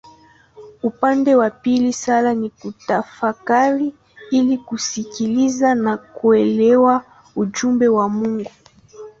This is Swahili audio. Upande wa pili sala ni kutafakari ili kusikiliza na kuelewa ujumbe wa Mungu.